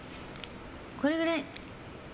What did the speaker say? これくらい！